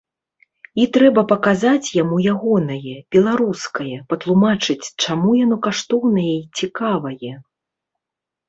І трэба паказаць яму ягонае, беларускае, патлумачыць, чаму яно каштоўнае і цікавае.